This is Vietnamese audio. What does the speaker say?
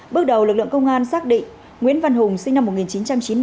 bước đầu lực lượng công an xác định nguyễn văn hùng sinh năm một nghìn chín trăm chín mươi